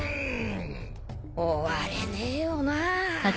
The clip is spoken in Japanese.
終われねえよなぁ。